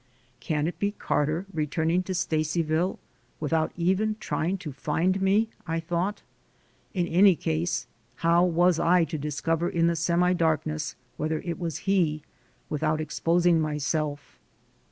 "Can it be Carter returning to Stacyville, without even trying to find me?" I thought. In any case, how was I to discover in the semi darkness whether it was he, without exposing myself.